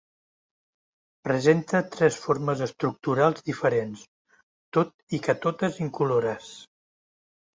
Presenta tres formes estructurals diferents, tot i que totes incolores.